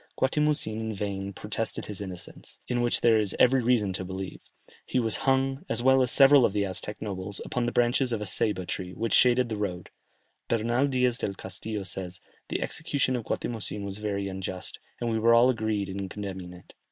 Guatimozin in vain protested his innocence, in which there is every reason to believe; he was hung, as well as several of the Aztec nobles, upon the branches of a Ceyba tree, which shaded the road. Bernal Diaz del Castillo says, "The execution of Guatimozin was very unjust, and we were all agreed in condemning it."